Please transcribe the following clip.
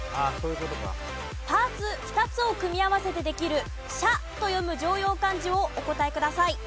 パーツ２つを組み合わせてできる「しゃ」と読む常用漢字をお答えください。